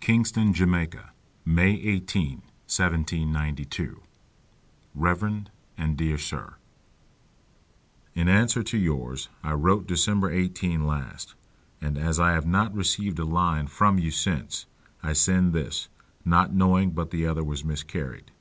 Kingston, Jamaica, May 18, 1792. Rev. and Dear Sir, In answer to yours I wrote December 18 last, and as I have not received a line from you since, I send this, not knowing but the other was miscarried.